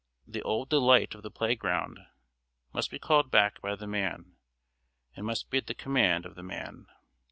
The old delight of the playground must be called back by the man, and must be at the command of the man.